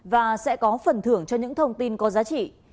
và sẽ có phần thưởng cho những thông tin có giá trị